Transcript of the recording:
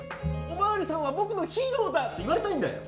「お巡りさんは僕のヒーローだ」って言われたいんだよ。